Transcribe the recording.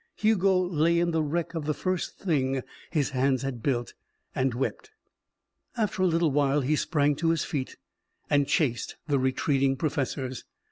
Hugo lay in the wreck of the first thing his hands had built, and wept. After a little while he sprang to his feet and chased the retreating professors.